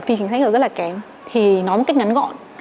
thì nói một cách ngắn gọn